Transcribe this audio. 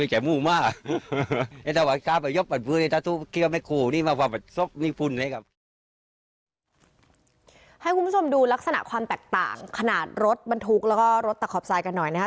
ให้คุณผู้ชมดูลักษณะความแตกต่างขนาดรถบรรทุกแล้วก็รถตะขอบทรายกันหน่อยนะครับ